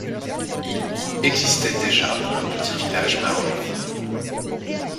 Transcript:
Il y existait déjà un petit village maori.